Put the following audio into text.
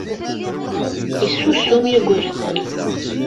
Yessusum Yugurten.